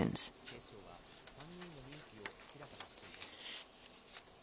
警視庁は、３人の認否を明らかにしていません。